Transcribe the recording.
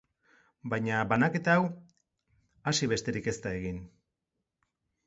Baina banaketa hau hasi besterik ez da egin.